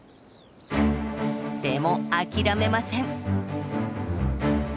でも諦めません。